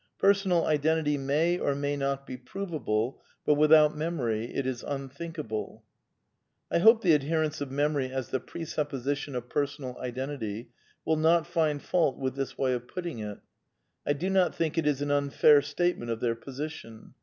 Personal identity may or may not be provable, but without memory it is unthinkable. I hope the adherents of memory as the presupposition of personal identity will not find fault with this way of put ting it. I do not think it is an unfair statement of their position.